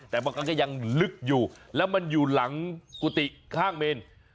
แต่มันก็ยังลึกอยู่แล้วมันอยู่หลังกุฏิข้างเมน